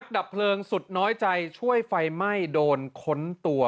ดับเพลิงสุดน้อยใจช่วยไฟไหม้โดนค้นตัว